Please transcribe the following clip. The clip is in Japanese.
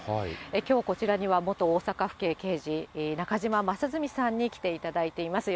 きょう、こちらには元大阪府警刑事、中島正純さんに来ていただいています。